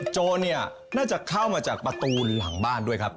โจรเนี่ยน่าจะเข้ามาจากประตูหลังบ้านด้วยครับ